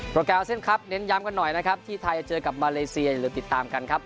แกรมอาเซียนครับเน้นย้ำกันหน่อยนะครับที่ไทยเจอกับมาเลเซียอย่าลืมติดตามกันครับ